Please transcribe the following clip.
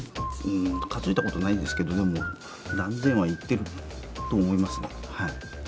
数えたことないんですけどでも何千はいってると思いますね。